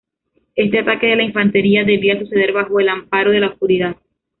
Este ataque de la infantería debía suceder bajo el amparo de la oscuridad.